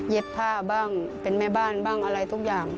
ผ้าบ้างเป็นแม่บ้านบ้างอะไรทุกอย่าง